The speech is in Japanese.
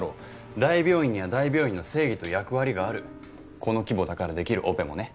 大病院には大病院の正義と役割があるこの規模だからできるオペもね